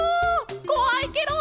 こわいケロ！